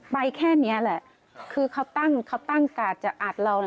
ไปแค่นี้แหละคือเขาตั้งการจะอัดเรา